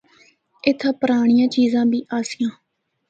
اِتھا پرانڑیاں چیزاں بھی آسیاں۔